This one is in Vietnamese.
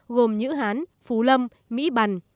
gồm nhữ hán phú lâm mỹ bằn